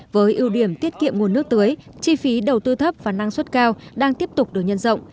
với ưu điểm tiết kiệm nguồn nước tưới chi phí đầu tư thấp và năng suất cao đang tiếp tục được nhân rộng